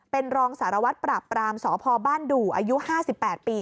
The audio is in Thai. เป็นรองสารวัตรปราบปรามสพบ้านดู่อายุ๕๘ปี